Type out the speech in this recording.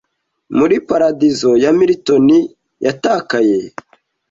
Muri paradizo ya Milton Yatakaye